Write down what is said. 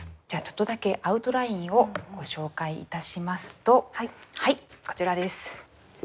じゃあちょっとだけアウトラインをご紹介いたしますとはいこちらです。